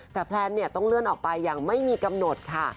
แต่แพลนเนี่ยต้องเลื่อนออกไปอย่างไม่มีกำหนดค่ะ